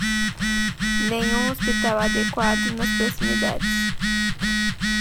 Nenhum hospital adequado nas proximidades